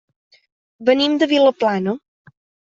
Venim de Vilaplana.